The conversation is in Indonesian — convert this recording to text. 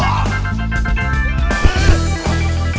kau harus hafal penuh ya